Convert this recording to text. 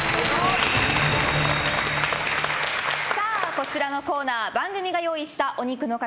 こちらのコーナー番組が用意したお肉の塊